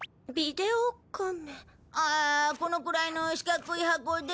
ああこのくらいの四角い箱で。